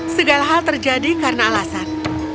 segala hal terjadi karena alasan